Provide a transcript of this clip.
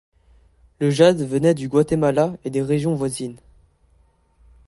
Le jade venait du Guatemala et des régions voisines.